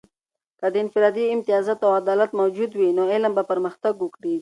که د انفرادي امتیازات او عدالت موجود وي، نو علم به پرمختګ وکړي.